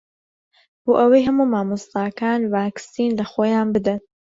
بۆ ئەوەی هەموو مامۆستاکان ڤاکسین لەخۆیان بدەن.